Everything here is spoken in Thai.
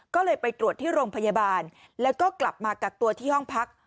ก็เลยไปตรวจที่โรงพยาบาลแล้วก็กลับมากักตัวที่ห้องพัก